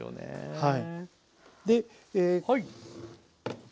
はい。